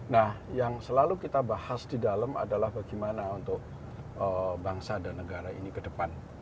nah yang selalu kita bahas di dalam adalah bagaimana untuk bangsa dan negara ini ke depan